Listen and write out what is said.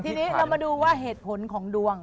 ทีนี้เรามาดูว่าเหตุผลของดวง